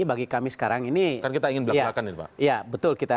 kan kita ingin berlaku laku pak